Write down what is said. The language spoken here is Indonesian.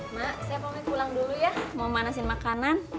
mak saya pulang dulu ya mau manesin makanan